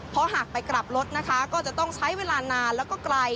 เพราะหากไปกลับรถนะคะก็จะต้องใช้เวลานานแล้วก็ไกล